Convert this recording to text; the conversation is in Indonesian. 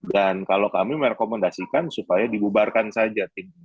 dan kalau kami merekomendasikan supaya dibubarkan saja tim